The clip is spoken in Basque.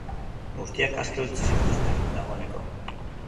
Guztiak aske utzi zituzten dagoeneko.